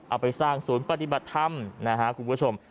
เอาไปสร้างศูนย์ปฏิบัติธรรมนะฮะคุณผู้ชม